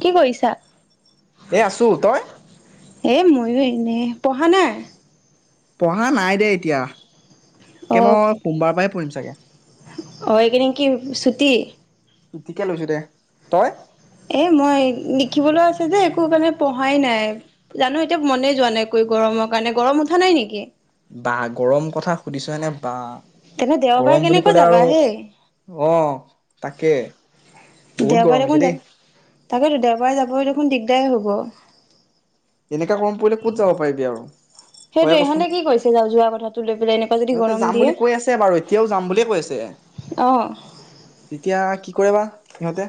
কি কৰিছা? এ আছো তই এই মইয়ো এনেই পঢ়া নাই পঢ়া নাই দে এতিয়া কে মই সোমবাৰ পৰা কৰিম চাগৈ হয় এই কি নেক কি সুতি ঠিকেই লৈছো দে তই এ মই লিখিবলৈ আছে যে একো মণে পঢ়াই নাই জানো এতিয়া মনে যোৱা নাই কই গৰমৰ কাৰণে গৰমত কথা নাই নেকি বা গৰম কথা সুধিছয়ে এনে বা তেনে দেওবাৰ গৰম বুলি কেনেকৈ ক'লে যাবা আৰু হেই? অ তাকে বহুত দেওবাৰে গৰম দেখোন হৈছে যাব দেই তাকেতো দেওবাৰে যাব দেখোন দিগদাৰ হ'ব এনেকা গৰম পৰিলে ক'ত যাব পাৰিবি আৰু সেইটো তইয়ে কচোন ইহঁতে কি কৰিছে যাওঁ যোৱা কথাটো লৈ পেলাই এনেকুৱা যদি সিহঁতে গৰম যাম দিয়ে বুলি কৈ আছে বাৰু এতিয়াও যাম বুলিয়ে কৈ আছে আহ কৰিবা সিহঁতে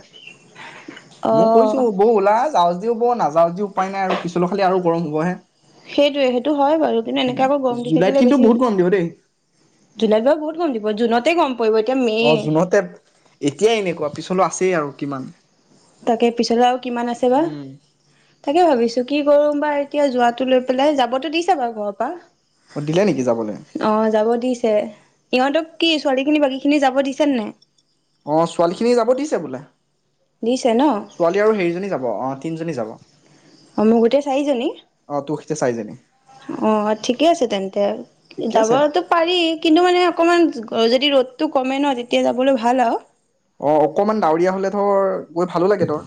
মই অ', কৈছো বৌ ওলাল যাওঁ যদি বৈ নাযাওঁ যদিও উপায় নাই আৰু পিছলৰ খালি আৰু গৰম হ'বহে সেইটোয়ে সেইটো হয় বাৰু কিন্তু এনেকে আকৌ গৰম দি জুলাইত থাকিলে কিন্তু বেছি বহুত গৰম দিব দেই জুলাই বাৰু বহুত গম দ প জুনতে গম প অহ জুনতে, এতিয়াই এনেকুৱা পিছলৈ আছেই আৰু। কিমান তাকে পিছলৈ আৰু কিমান আছে বা। উম। তাকে ভাবিছো কি কৰোম বা এতিয়া যোৱাটো লৈ পেলাই যাবতো দিছে বাৰু ঘৰৰ অ দিলে নেকি যাবলৈ? পৰা অহ যাব দিছে, ইহঁতক কি ছোৱালী খিনি বাকী খিনি যাব দিছে নে নাই? অ', ছোৱালী খিনি যাব দিছে বোলে। দিছে ন ছোৱালী আৰু সেইজনী যাব অ তিনজনী যাব অহ মোৰ গোটেই চাৰিজনী, অ তোৰ সৈতে চাৰিজনী অহ ঠিকে আছে তেন্তে, ঠিকে আছে। যাবতো পাৰি কিন্তু মানে অকমান আৰু যদি ৰ'দটো কমে ন তেতিয়া যাবলৈ ভাল আৰু। অহ অকমান ডাৱৰীয়া হলে ধৰ গৈ ভালো লাগে ধৰ।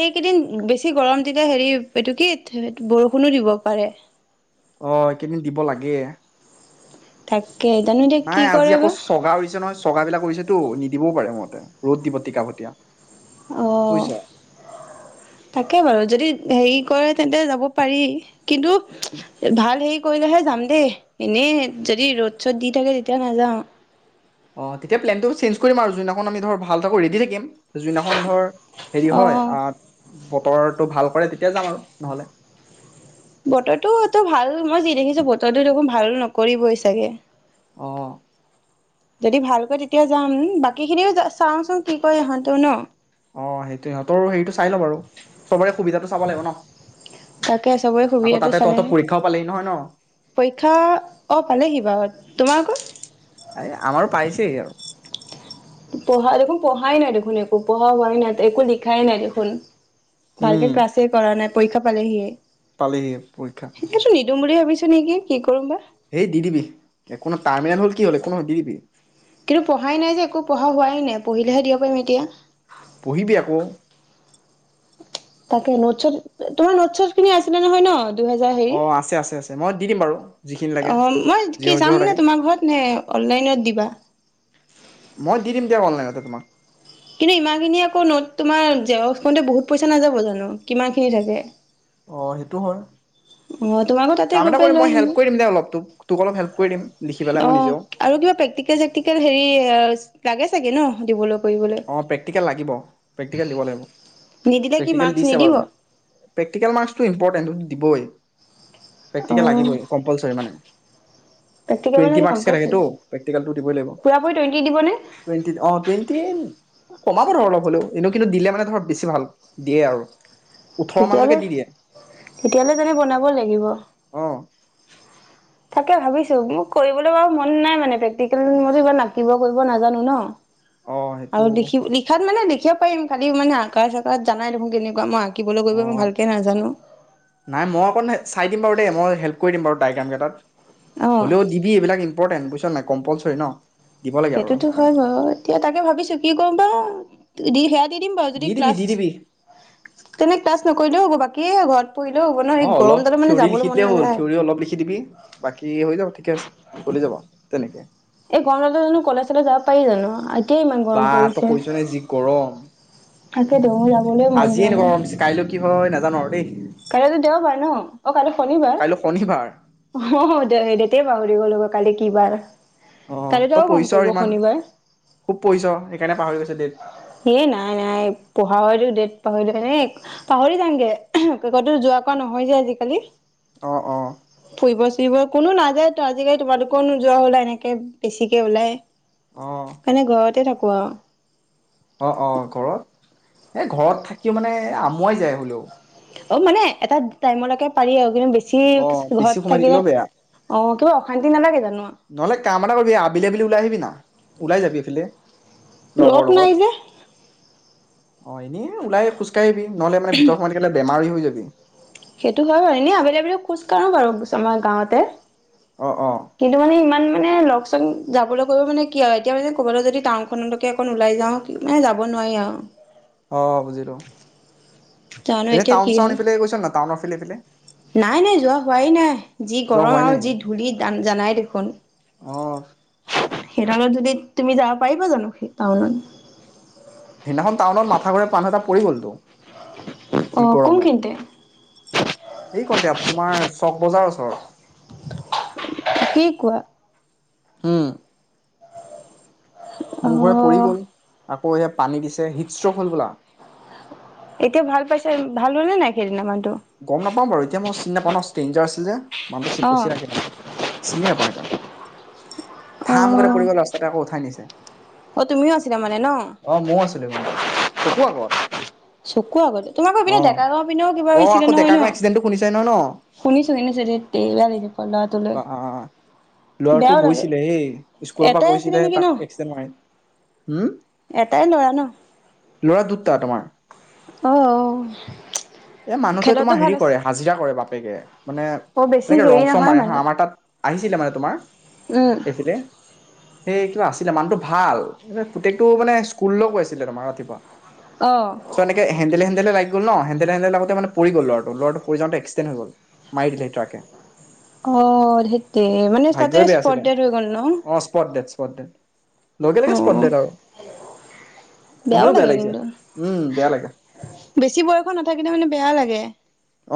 এইকেইদিন বেছি গৰম তেতিয়া হেৰি, এইটো কি, থে বৰষুণো দিব পাৰে অ এইকেইদিন দিব লাগে [unintelligible] এতিয়া কি নাই কৰে আজি আকৌ বা চগা উৰিছে নহয়, চগা বিলাক উৰিছেতো নিদিবও পাৰে মত ৰ'দ দিব টিকা ফটীয়া অহ, বুজিছ? তাকে বাৰু যদি হেৰি কয় তেন্তে যাব পাৰি কিন্তু, ভাল সেই কৰিলেহে যাম দেই, এনেই যদি ৰ'দ চ'দ দি থাকে তেতিয়া নাযাওঁ অহ, তেতিয়া প্লেনটো চেঞ্জ কৰিম আৰু যোনদিনাখন আমি ধৰ, ভাল থাকো ৰেডি থাকিম। যোন দিনাখন ধৰ, হেৰি অ হয়, আহ, বতৰত টো ভাল কৰে তেতিয়া যাম আৰু, নহ'লে? বতৰটো এইটো ভাল, মই যি দেখিছো বতৰটোই দেখোন ভাল, নকৰিবই চাগে। অ'। যদি ভালকৈ তেতিয়া যাম, বাকী খিনিও চাওচোন কি কয় ইহঁতো ন অ সেইটোৱে, সিহঁতৰো সেইটো চাই লওঁ বাৰু, চবৰে সুবিধাটো চাব লাগিব ন, তাকে চবৰে আকৌ সুবিধাটো তাতে তহঁতৰ চালেহে পৰীক্ষাও পালেহি নহয় ন? তোমাৰ আকৌ এই আমাৰো পাইছেই আৰু পঢ়া দেখোন, পঢ়াই নাই দেখোন, একো পঢ়া হোৱাই নাই, একো লিখাই নাই দেখোন। ভালকে ক্লাছে কৰা নাই। পৰীক্ষা পালেহিয়ে পালেহিয়ে পৰীক্ষা সেইটো নিদিম বুলি ভাবিছো নেকি, কি কৰিম বা হেই দিদিবি, একো নাই টাৰ্মিনেল হল কি হ'ল, একো নহয় দিদিবি। কিন্তু পঢ়াই নাই যে, একো পঢ়া হোৱাই নাই পঢ়িলেহে দিব পাৰিম এতিয়া। পঢ়িবি আকৌ! তাকে নোটচত, তোমাৰ নোটচট খিনি আছিলে নহয় ন? দুহাজাৰ হেৰী, অ' আছে আছে আছে মই দি দিম বাৰু যিখিনি লাগে। অ', মই কি জিৰ' যাম জিৰ' নে লাগে। তোমাৰ ঘৰত নে অনলাইনত দিবা? মই দি দিম [unintelligible] তোমাক। কিন্তু ইমানখিনি আকৌ নত তোমাৰ জেৰক্স কৰিলে বহুত পইচা নাযাব জানো, কিমান খিনি থাকে। অ', হেটো হয়। উ- উম অ', তোমালোক তাতে কাম গৈ এটা পেলাই কৰিম লৈ মই আহিম হেল্প গৈ, কৰি দিম দে অলপ তোক। তোক অলপ হেল্প কৰি দিম লিখি পেলাই মই অ' নিজেও। আৰু কিবা প্ৰেক্টিকেল চেক্তিকেল হেৰি, এয়াচ। লাগে চাগে নহ দিবলৈ? কৰিবলৈ অ', প্ৰেক্টিকেল লাগিব, প্ৰেক্টিকেল দিব লাগিব, নিদিলে কি প্ৰেক্টিকেল মাৰ্কচ দিছে নিদিব বাৰু প্ৰেক্টিকেল মাৰ্ক্সটো ইম্পৰ্টেণ্ট। দিবই। অ প্ৰক্টিকেল লাগিবই কমপালচৰি মানে প্ৰেক্টিকেল মানে টোৱেণ্টি মাক্সকে লাগে কম্পালচৰি তো প্ৰক্টিকেল দিবই লাগিব পুৰা পুৰি টুৱেন্টি দিবনে টোৱেণ্টী অ টোৱেন্টি কমাব ধৰ অলপ হলেও এনে কিন্তু দিলে মানে ধৰক বেছি ভাল দিয়ে আৰু ওঠৰ মানলৈকে তেতিয়ালৈ দি দিয়ে তেতিয়ালৈ যোন বনাব লাগিব অ তাকে ভাবিছো মোক কৰিবলৈ বাৰু মন নাই মানে প্ৰেক্টিকেল ময়ো কিবা আকিব কৰিব নাজানো ন অ সেইটো আৰু লিখি লিখাত মানে শিকিব পাৰিম খালি মানে আকা চাকাত যানাই দেখোন কেনেকুৱা মই আঁকিবলৈ কৰিব অ মই ভালকে নাজানো। নাই মই অকণ চাই দিম বাৰু দেই মই হেল্প কৈ দিম বাৰু তাই কাম কেইটাত অ' হলেও দিবি এইবিলাক ইম্পৰ্টেণ্ট বুইছ নাইি কম্পালচৰিন সেইটোতো হয় বাৰু এতিয়া তাকে ভাবিছো কি কৰো বা দ খে [inaudible] দি দিম বাৰু যদি দিবি ক্লাছ দি দিবি তেতিয়া ক্লাছ নকৰিলে হব বাকী। কি ঘ ঘৰত পঢ়িলেও হ'ব ন এই অ অলপ গৰমডালত মানে থিয়ৰি যাবলৈ লিখি মন দিলে হ'ল নাযায়। থিয়ৰি অলপ লিখি দিবি বাকী হৈ যাব থাকি ঠিক চলি যাবা তেনেকৈ এই গমলতে জানো কলেজাললে যাব পাৰি জানো এতিয়াই ইমান গৰম বা ত কৈছ নে যি গৰম তাকে তহু যাবলৈ মন আজিয়ে যোৱা এনেকুৱা নায় গৰম দিছে কাইলৈ কি হয় নাজানো আৰু দেই কাইলৈতো দেওবাৰ ন অ কাই শনিবাৰ কাইলৈ শনিবাৰ অ দে দে বাৰু গ'ল কালি কিবাৰ অ তই পঢ়িছ ইমান খুব পঢ়িইছ সেইকাৰণে পাহৰি গৈছে ডট এ নাই নাই পঢ়াৰ হতো ডট পাহৰি ন পাহৰি যামগৈ যোৱা কোৱা নহয় যে আজিকালি অ অ ফুৰিব চুৰিব কোনো নাযায় আজিকালি তোমালোকো নোযোৱা হলা এনেকে বেছিকে ওলাই অ সেইকাৰণে ঘৰতে থাকো। কোৱা অ অ ঘৰত, এ ঘৰত থাকি মানে আমুৱাই যায় হলেও। অ মানে এটা টাইমলৈকে পাৰি আৰু কিন্তু বেছি, অ বেছি ঘৰত সোমাই থাকিলে থাকিলেও বেয়া অ কিবা, অশান্তি নালাগে জানো। নহলে কাম এটা কৰিবি আবেলি আবেলি ওলাই আহিবি না, ওলাই যাবি না এইফালে লগৰ লগ নাই লগত। যে অ ', এনেই ওলাই খোজকাঢ়িবি। নহলে মানে ভিতৰত কেলে বেমাৰি হৈ যাবি সেইটো হয় বাৰু এনে আবেলি আবেলি খোজ কাঢ়ো বাৰু আমাৰ গাঁৱতে অ অ কিন্তু মানে ইমান মানে লগ চোন যাবলৈ গৈ মানে কি আৰু এতিয়া মানে কবলৈ যদি টাউনখনলৈকে অকণ ওলাই যাওঁ মানে যাব নোৱাৰি আৰু অঁ', বুজিলোঁ। জানো এনেই এতিয়া টাউন কি চাউন হয় এইফালে গৈছিল ন টাউনফেলে এইফালে হয়াই নাই। যি যোৱা গৰম হোৱাই নাই আৰু যি নেকি? ধূলি জানাই দেখোন অ সেইডালত যদি তুমি যাব পাৰিবা জানো সেই টাউনত সেইদিনাখন টাউনত মাথা ঘুৰাই পাণ এটা পৰি গলতো অ যি কোনখিনিতে গৰমত এই [unintelligible] তোমাৰ চক বজাৰৰ ওচৰত। কি কোৱা হম অ মূৰ ঘূৰাই পৰি গ'ল। আকৌ সে পানী দিছে হৃষ্ট্ৰখল বোলা এতিয়া ভাল পাইছে ভাল হল নে নাই সেইদিনা মান গম নাপাম বাৰু এতি মই চি নাপাও ন ষ্টেঞজাৰচ। পছিল [unintelligible] অ মানুটো [unintelligible] ৰাখে মানে চিনি নাপায়ওঁ সেই কাৰণ অ ধাম গতে পৰিগল ৰাস্তাতে আকৌ উঠাই নিছে। অ তুমিও আছিলা মানে ন অ ময়ো আছিলো ইমানতে চকুৰ আগত। চকু আগতে তোমাকো অ পিনে ডেকা গাৰ পিনেও কিবা অ হৈছিলে আকৌ নহয় ডেকা ন ক এক্সিডেণ্টটো শুনিচাই ন ন শুনিছো শুনিছো ধেত তেৰি বেয়া লাগিছে ল'ৰাটোলৈ অ অ ল'ৰাটো বেয়াও লাগে গৈছিলে হেই স্কুলৰ পৰা এটাই আছিলে কৈছিলে নেকি তাক ন এক্সিডেণ্ট মাৰ উম এটাই ল'ৰা ল'ৰা দুটা তোমাৰ অহ ', এই মানুহটোৱে তোমাৰ হেৰি কৰে হাজিৰা কৰে বাপ বাপেকে মানে অ বেছি এনেকে ৰং হেৰি চং নহয় মাৰে হা', মানে আমাৰ তাত আহিছিলে মানে তোমাৰ উম এইফেলে। সেইটো আছিলে মানুহটো ভাল পুতেকটো মানে স্কুললৈ গৈ আছিলে তোমাৰ ৰাতিপুৱা অ চ এনেকে হেন্দেলে হেন্দেলে লাগি গল ন হেন্দেলে - হেন্দেলে লগত তেতিয়া মানে পৰি গল ল'ৰাটো - ল'ৰাটো পৰি যাতে এক্সিডেণ্ট হৈ গল মাৰি দিলে ট্ৰাকে। অঁ সেইটোৱে মানে তাতে ভাগ্যই বেয়া স্পট আছিলে হৈ গল ন? অ স্পট ডেট স্পট ডেট লগে অ লগে স্পট ডেট আৰু বেয়াও শুনিও বেয়া লাগে লাগিছে কিন্তু উম বেয়া লাগে বেছি বয়স নাথাকিলে মানে বেয়া লাগে। হয় [unintelligible]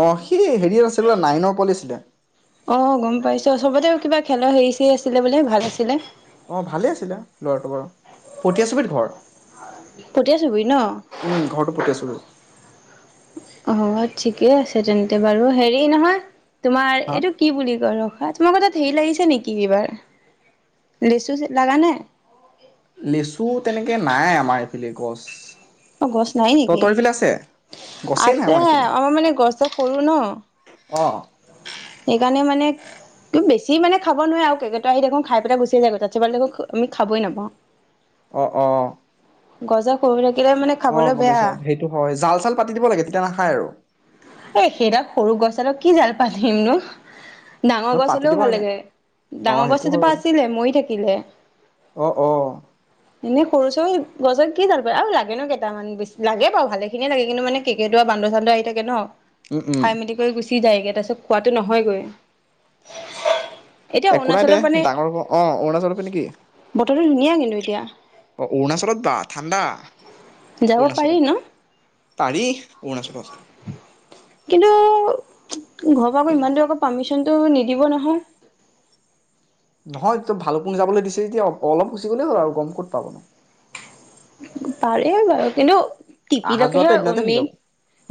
অ সি হেৰি আছিল বোলে নাইনত পঢ়ি আছিলে। অ গম পাইছো, চবতে কিবা খেলৰ হেৰি চেৰী আছিলে বোলে ভাল আছিলে। অ ভালে আছিলে ল'ৰাটো বাৰু। পতিয়া চুবুৰীত ঘৰ। পটিয়া চুবুৰীত উম ঘৰটো ন? পটীয়া চুবুৰীত অ ঠিকে আছে তেন্তে বাৰু। হেৰি নহয়! তোমাৰ হা এইটো কি বুলি কয় ৰখাত তোমালোকৰ তাত হেৰি লাগিছে নিকি এইবাৰ। লিচু লাগা নাই? লেচু তেনেকে নাই আমাৰ এইফালে গছ। অ গছ নাই নিকি? তহঁতৰ এইফালে আছে গছেই নাই আছে এইফালে আমাৰ মানে গছডাল সৰু ন। অ সেইকাৰণে মানে তুমি বেছি মানে খাব নোৱাৰে আৰু কেৰকেটোৱা আহি দেখোন খাই পেলাই গুচি যায় গোটে [unintelligible] আমি খাবই নাপাওঁ। অ অ। [unintelligible] অ খাবলৈ গম বেয়া পাইছো অ। সেইটো হয় জাল-চাল পাতি দিব লাগে তেতিয়া নাখায় আৰু। এ, সেইডাল সৰু গছডালত কি জাল পাতিমনো। ন ডাঙৰ গছ পাতি হ'লেও দিব ভাল লাগে। অ ডাঙৰ গছ সেইটো হয় এজোপা বাৰু আছিলে, মৰি থাকিলে। অ অ এনেই সৰু চৰু গছডালত কি জাল পাতিবা আৰু লাগেনো কেইটা মানে বেছি লাগে বাৰু ভালে খিনিয়ে লাগে কিন্তু মানে কেৰকেটোৱা বান্দৰ-চান্দৰ আহি থাকে ন'। উম উম খাই মেলি কৰি গুছি চি যায়গে তাৰপিছত খোৱাটো নহয়গৈ। এতিয়া একো নাই দে অৰুণাচলৰ মানে ডাঙৰ অ অৰুণাচলৰ পৰা নেকি? বতৰটো ধুনীয়া কিন্তু এতিয়া অ অৰুণাচলত বা ঠাণ্ডা। যাব অৰুণাচলত পাৰি ন? পাৰি অৰুণাচলত। কিন্তু, ঘৰৰ পৰা আকৌ ইমান দূৰ আকৌ পাৰ্মিচনটো নিদিব নহয়। নহয় তোক ভালুকপুঙ যাবলৈ দিছে যেতিয়া অলপ গুচি গ'লেই হ'ল আৰু গম ক'ত পাব। পাৰি বাৰু কিন্তু অহা যোৱাটো টিপিলৈকেহে এদিনতে হৈ যাব মেইন।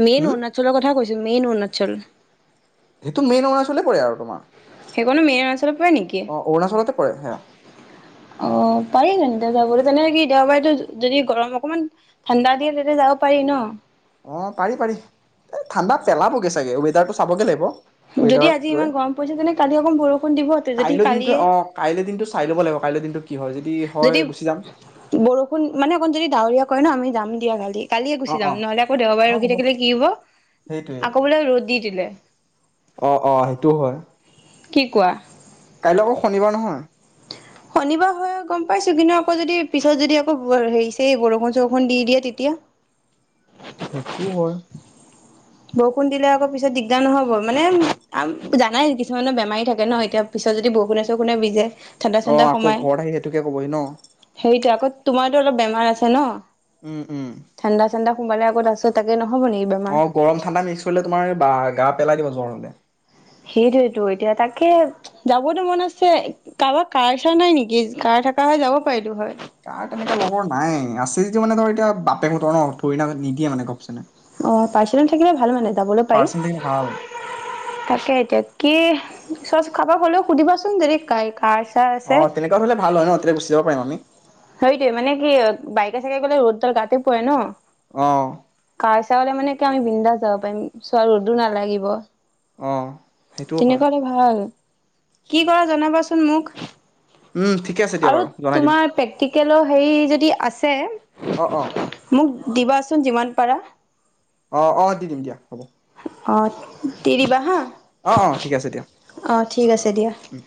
মেইন হুম অৰুণাচলৰ কথা কৈছো, মেইন অৰুণাচল। সেইটো মেইন অৰুণাচলে [unintelligible] সেইকনো মেইন ৰাস্তাটে পৰে নিকি? অ অৰুণাচলতে পৰে সেয়া অ', পাৰি তেন্তে যাবলে। যেনে কি দেওবাৰেটো যদি গৰম অকমান ঠাণ্ডা দিয়ে তেতিয়া যাব পাৰি ন? অ পাৰি পাৰি এ ঠাণ্ডা পেলাবগে চাগে ৱেডাৰটো চাবগে লাগিব। যদি ৱেডাৰত আজি গৈ ইমান গৰম পৰিছে তেনে কালি অকণ বৰষুণ দিব যদি কাইলৈ দিনটো কালিয়ে অ কাইলৈ দিনটো চাই ল'ব লাগিব কাইলৈ দিনটো কি হয় হয় যদি গুচি যাম বৰষুণ মানে অকণ যদি ডাৱৰীয়া কৰে ন আমি যাম। দিয়া ভালেই। কালিয়ে অ গুচি অ যাম নহলে আকৌ দেওবাৰে ৰখি থাকিলে কি হ'ব সেইটোৱে আকৌ বোলে ৰ'দ দি দিলে। [unintelligible] অ', অ', সেইটোও হয়। কি কোৱা? কাইলৈকৌ শনিবাৰ নহয়। শনিবাৰ হয় গম পাইছো, কিন্তু আকৌ যদি পিছত যদি আকৌ হেৰি চেৰী বৰষুণ চৰষুণ দি দিয়ে তেতিয়া? সেইটো হয়। বৰষুণ দিলে আকৌ পিছত দিগদাৰ নহ'ব? মানেম জানাই কিছুমানৰ বেমাৰী থাকে ন এতিয়া পিছত যদি বৰষুণে চৰষুণে ভিজে। ঠাণ্ডা ঠাণ্ডা অ', আকৌ সোমাই ঘৰত আহি সেইটোকে কবহি ন? সেইটো আকৌ তোমাৰতো অলপ বেমাৰ আছে ন? উম, উম। ঠাণ্ডা ঠাণ্ডা সোমালে আক' তাইছত তাকে নহ? অ', গৰম ঠাণ্ডা মিছ। কৰিলে তোমাৰ বা গা পেলাই দিব জ্বৰ হলে। সেইটোয়েতো এতিয়া তাকে যাবতো মন আছে, কাবা কাৰ-চাৰ নাই নেকি? কাৰ থকা হয় যাব পাৰিলো হয়। কাৰ তেনেকে লগৰ নাই, আছে যদি মানে ধৰ এতিয়া বাপেকহঁতৰ ন থৰিণা নিদিয়ে মানে ঘপছে। অ', পাৰ্ছনেল থাকিলে ভাল মানে যাবলৈ পাৰি। পাৰ্চেল থাকিলে ভাল তাকে এতিয়া কি। চচ খাব গলেও সুধিবাচোন যদি কাইক অ', তেনেকুৱ হলে ভাল হয় ন তেতিয়া গুচি যাব পাৰিম আমি। সেইটোোৱে মানে কি বাইকে চাইকে গলে ৰ'দডাল গাতে পৰে ন। অহ। হাৰ চাউলে মানে কি আমি বিন্দাছ যাব পাৰিম। চোৱা, ৰ'দো নালাগিব। অ সেইটোও হয় তেনেকুৱা হ'লে ভাল। কি কৰা জনাবাচোন মোক। উম ঠিকে আছে দিয়া আৰু বাৰু জনাই দিম তোমাৰ পেক্টিকেলৰ সেই যদি আছে অ', অ'। মোক দিবাচোন যিমান পাৰা। অ', অ', দি দিম দিয়া, হ'ব। অ', দি দিবা হাঁ। অ', অ', ঠিক আছে দিয়া। আছে দিয়া। উ।